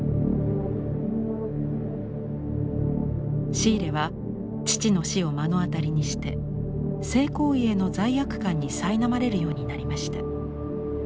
シーレは父の死を目の当たりにして性行為への罪悪感にさいなまれるようになりました。